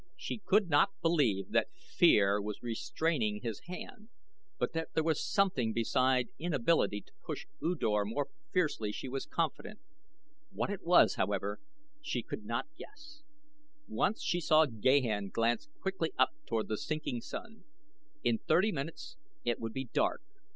She could not believe that fear was restraining his hand, but that there was something beside inability to push U Dor more fiercely she was confident. What it was, however, she could not guess. Once she saw Gahan glance quickly up toward the sinking sun. In thirty minutes it would be dark.